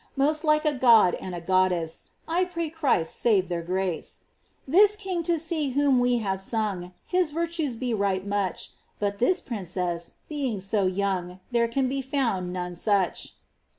Most like a god and a goddess, (I pray Christ save their grace !) ■This king to see whom we have sung, His virtues be right much, But this princess, being so young. There can be found none such.